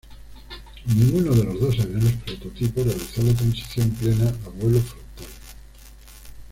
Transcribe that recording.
Ninguno de los dos aviones prototipo realizó la transición plena a vuelo frontal.